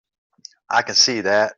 I can see that.